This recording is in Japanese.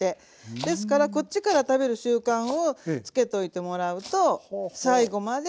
ですからこっちから食べる習慣をつけといてもらうと最後まで。